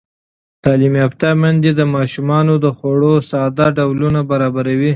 تعلیم یافته میندې د ماشومانو د خوړو ساده ډولونه برابروي.